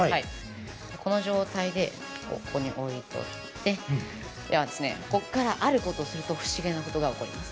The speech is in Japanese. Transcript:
この状態でここに置いておいて、ここからあることをすると不思議なことが起こります。